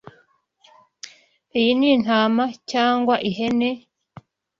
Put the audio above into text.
Iyi ni intama cyangwa ihene?